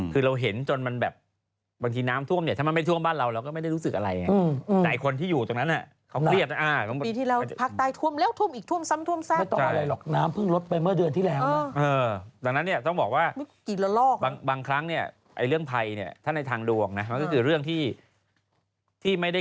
คือย่างที่บอกบางทีมันเกิดก็เราชินแล้ว